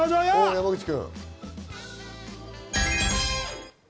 山口君。